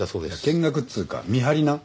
見学っつうか見張りな。